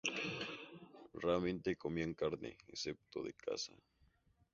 Raramente comían carne, excepto de caza.